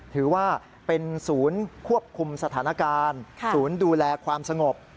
ถือว่าเป็นศูนย์ควบคุมสถานการณ์ศูนย์ดูแลความสงบ